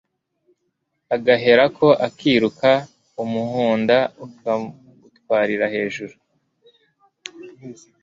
agaherako akiruka, umuhunda akawutwarira hejuru,